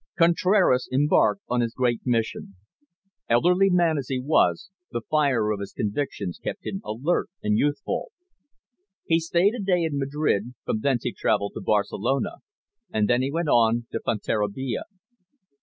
Contraras embarked on his great mission. Elderly man as he was, the fire of his convictions kept him alert and youthful. He stayed a day in Madrid; from thence he travelled to Barcelona. And then he went on to Fonterrabia.